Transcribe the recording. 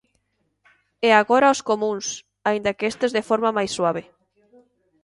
E agora os comúns, aínda que estes de forma máis suave.